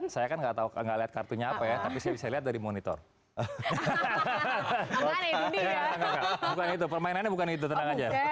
saya kan nggak tahu enggak lihat kartunya apa ya tapi saya lihat dari monitor hahaha